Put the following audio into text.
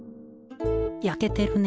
焼けてるね。